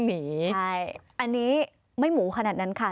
อันนี้ไม่หมูขนาดนั้นค่ะ